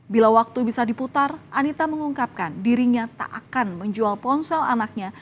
bila waktu bisa diputar anita mengungkapkan dirinya tak akan menjual ponsel anaknya